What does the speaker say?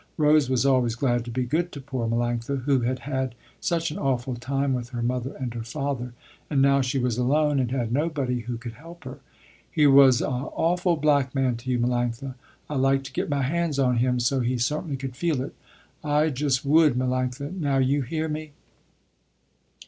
Rose was always glad to be good to poor Melanctha, who had had such an awful time with her mother and her father, and now she was alone and had nobody who could help her. "He was a awful black man to you Melanctha, I like to get my hands on him so he certainly could feel it. I just would Melanctha, now you hear me."